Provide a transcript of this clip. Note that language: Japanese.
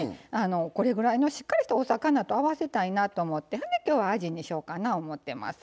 これぐらいのしっかりしたお魚と合わせたいなと思ってそんできょうはあじにしようかな思ってます。